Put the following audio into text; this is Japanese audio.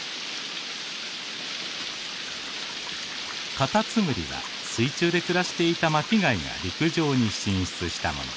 カタツムリは水中で暮らしていた巻き貝が陸上に進出したもの。